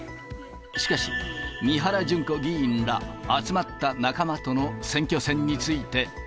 しかし、三原じゅん子議員ら、集まった仲間との選挙戦について。